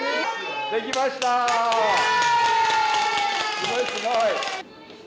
すごい、すごい。